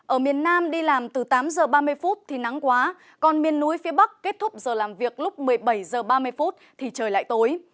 ở miền nam đi làm từ tám giờ ba mươi phút thì nắng quá còn miền núi phía bắc kết thúc giờ làm việc lúc một mươi bảy h ba mươi thì trời lại tối